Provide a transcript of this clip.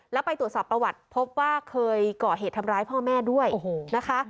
แล้วไปตรวจสอบประวัติพบว่าเคยก่อเหตุทำร้ายพ่อแม่ด้วยนะคะ